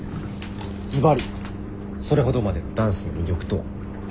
ずばりそれほどまでのダンスの魅力とは？